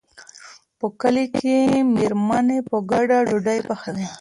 په کلي کې مېرمنې په ګډه ډوډۍ پخوي.